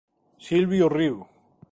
Silvio riu.